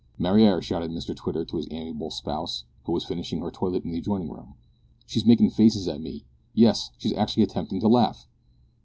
"Mariar!" shouted Mr Twitter to his amiable spouse, who was finishing her toilet in the adjoining room. "She's makin' faces at me yes, she's actually attempting to laugh!"